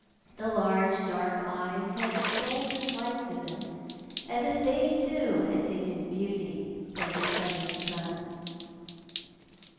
The large darjv eyes had golden lights in them, as if they too had taken beauty from the southern sun.